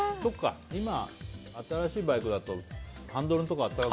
新しいバイクだとハンドルとかも温かくて。